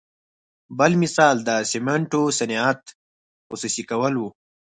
بل مثال د سمنټو صنعت خصوصي کول وو.